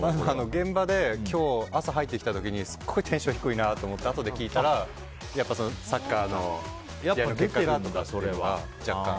現場で朝入ってきた時にすごいテンションが低いなと思って、あとで聞いたらやっぱサッカーの試合の結果がって。